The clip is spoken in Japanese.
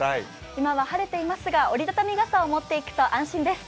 今は晴れていますが、折り畳み傘を持っていくと安心です。